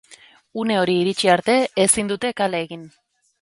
Une hori iritsi arte ezin dute kale egin.